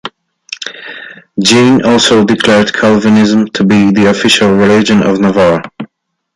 Jeanne also declared Calvinism to be the official religion of Navarre.